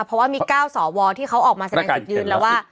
เพราะว่ามี๙สวที่เขาออกมาแสดงจุดยืนแล้วว่า